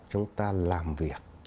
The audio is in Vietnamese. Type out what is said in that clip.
chúng ta làm việc